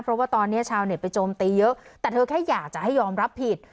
เพราะว่าตอนนี้ชาวเน็ตไปโจมตีเยอะแต่เธอแค่อยากจะให้ยอมรับผิด